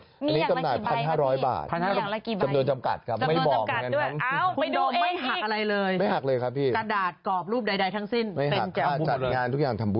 อันนี้กำหน่าย๑๕๐๐บาทจำนวนจำกัดครับไม่บ่องเลยครับมีอย่างไรกี่ใบครับ